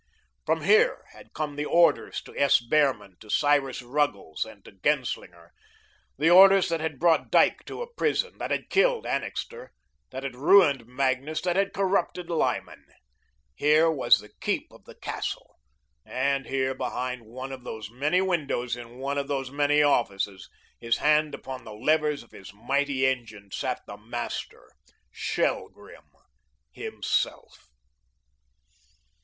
From here had come the orders to S. Behrman, to Cyrus Ruggles and to Genslinger, the orders that had brought Dyke to a prison, that had killed Annixter, that had ruined Magnus, that had corrupted Lyman. Here was the keep of the castle, and here, behind one of those many windows, in one of those many offices, his hand upon the levers of his mighty engine, sat the master, Shelgrim himself.